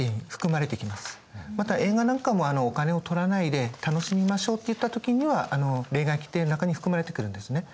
また映画なんかもお金を取らないで楽しみましょうっていった時には例外規定の中に含まれてくるんですね。